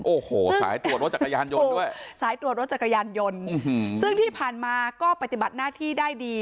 โอ้โหสายตรวจรถจักรยานยนต์ด้วยสายตรวจรถจักรยานยนต์ซึ่งที่ผ่านมาก็ปฏิบัติหน้าที่ได้ดี